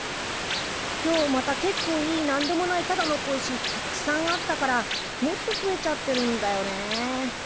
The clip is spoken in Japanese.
今日またけっこういいなんでもないただの小石たくさんあったからもっとふえちゃってるんだよね。